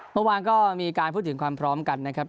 เมื่อวานก็มีการพูดถึงความพร้อมกันนะครับ